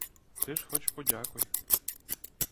Ти ж хоч подякуй!